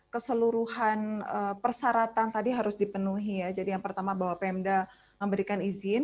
keseluruhan persyaratan tadi harus dipenuhi ya jadi yang pertama bahwa pemda memberikan izin